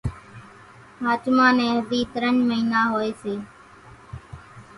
ۿاچمان نين ھزي ترڃ مئينا ھوئي سي